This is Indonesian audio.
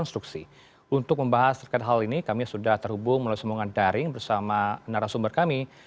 selamat siang mas dara